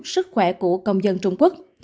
sức khỏe của công dân trung quốc